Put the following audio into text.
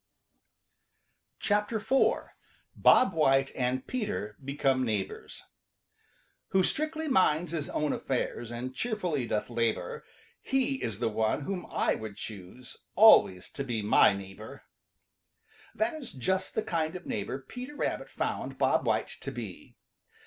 IV. BOB WHITE AND PETER BECOME NEIGHBORS ```Who strictly minds his own affairs ````And cheerfully doth labor, ```He is the one whom I would choose ````Always to be my neighbor.= |THAT is just the kind of a neighbor Peter Rabbit found Bob White to be.